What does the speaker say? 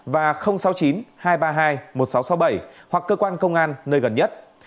và sáu mươi chín hai trăm ba mươi hai một nghìn sáu trăm sáu mươi bảy hoặc cơ quan công an nơi gần nhất